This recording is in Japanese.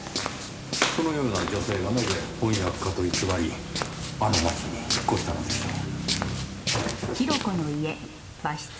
そのような女性がなぜ翻訳家と偽りあの街に引っ越したのでしょう？